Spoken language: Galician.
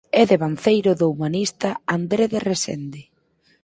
É devanceiro do humanista André de Resende.